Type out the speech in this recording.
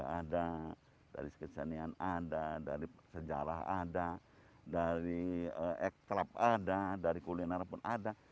dari segi budaya ada dari segi kesenian ada dari sejarah ada dari ekstrap ada dari kuliner pun ada